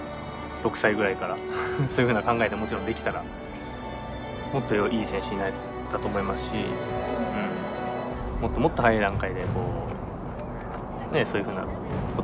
６歳ぐらいからそういうふうな考えでもちろんできたらもっといい選手になれたと思いますしもっともっと早い段階でそういうふうなことを考えながらできたらよかったのかなと。